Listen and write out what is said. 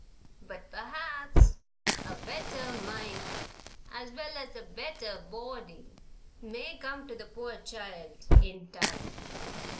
But perhaps a better mind as well as a better body may come to the poor child in time."